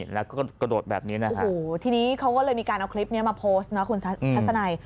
แล้วก็กระโดดแบบนี้นะโอ้โหทีนี้เขาก็เลยมีการเอาคลิปนี้มาโพสต์นะคุณทัศนัย